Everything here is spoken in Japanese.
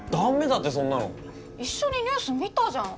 一緒にニュース見たじゃん。